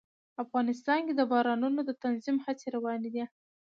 افغانستان کې د بارانونو د تنظیم هڅې روانې دي.